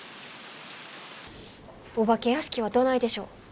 お化け屋敷はどないでしょう？